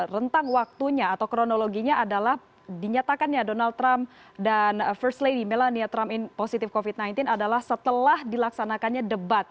rentang waktunya atau kronologinya adalah dinyatakannya donald trump dan first lady melania trump positif covid sembilan belas adalah setelah dilaksanakannya debat